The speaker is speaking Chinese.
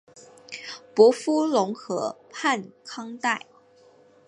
伯夫龙河畔康代。